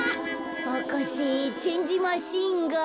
博士チェンジマシンが。